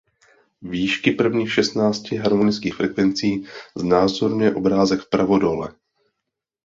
Výšky prvních šestnácti harmonických frekvencí znázorňuje obrázek vpravo dole.